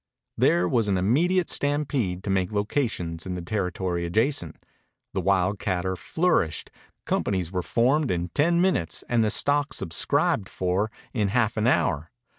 There was an immediate stampede to make locations in the territory adjacent. The wildcatter flourished. Companies were formed in ten minutes and the stock subscribed for in half an hour.